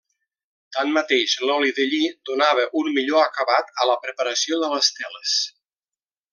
Tanmateix l’oli de lli donava un millor acabat a la preparació de les teles.